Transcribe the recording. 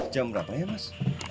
jom berapa ya mas